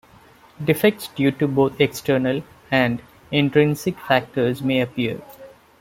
Defects due to both external and intrinsic factors may appear.